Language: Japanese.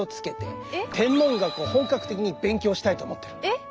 えっ？